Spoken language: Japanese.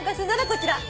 こちら。